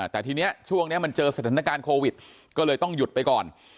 แต่ทีนี้ช่วงนี้มันเจอสถานการณ์โควิดก็เลยต้องหยุดไปก่อน